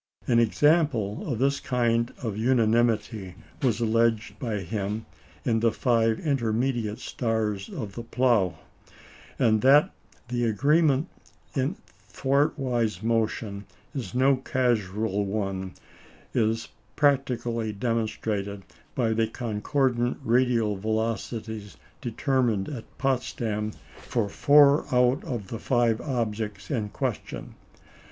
An example of this kind of unanimity was alleged by him in the five intermediate stars of the Plough; and that the agreement in thwartwise motion is no casual one is practically demonstrated by the concordant radial velocities determined at Potsdam for four out of the five objects in question.